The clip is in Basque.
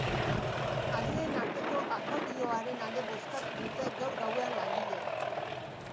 Aldeen arteko akordioaren alde bozkatu dute gaur gauean langileek.